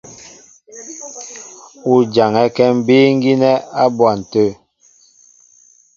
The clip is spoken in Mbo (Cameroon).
U jaŋɛ́kɛ́ mbíí gínɛ́ á bwan tə̂.